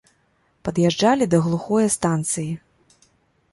Пад'язджалі да глухое станцыі.